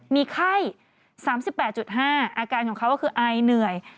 มีไข้๓๘๕อาการของเขาก็คืออายเหนื่อย